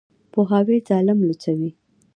پوهاوی ظالم لوڅوي.